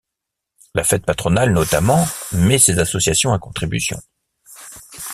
La fête patronale notamment met ces associations à contribution.